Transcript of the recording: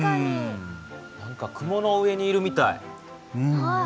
何か雲の上にいるみたい。